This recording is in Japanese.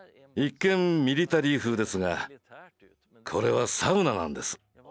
一見ミリタリーふうですがこれはサウナなんです。